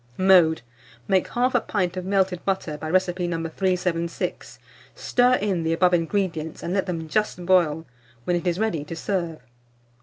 Mode. Make 1/2 pint of melted butter, by recipe No. 376; stir in the above ingredients, and let them just boil; when it is ready to serve.